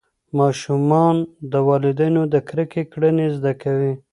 ماشومان د والدینو د کرکې کړنې زده کوي.